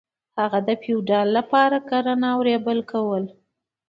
هغه د فیوډال لپاره کرنه او ریبل کول.